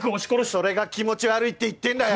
それが気持ち悪いって言ってんだよ！